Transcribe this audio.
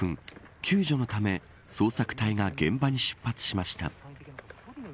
救助のため捜索隊が現場に出発しました。